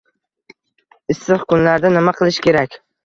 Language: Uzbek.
Issiq kunlarda nima qilish kerak